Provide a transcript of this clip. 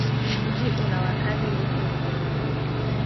Mji una wakazi nusu milioni.